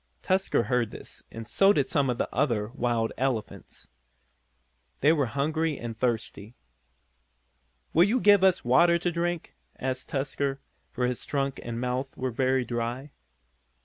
Tusker heard this, and so did some of the other wild elephants. They were hungry and thirsty. "Will you give us water to drink?" asked Tusker, for his trunk and mouth were very dry.